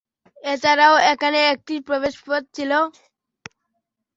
এছাড়াও এখানে একটি প্রবেশপথ ছিল।